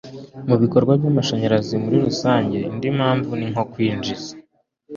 mu bikorwa by'amashanyarazi muri rusange. indi mpamvu ni nko kwinjiza